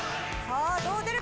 どう出る？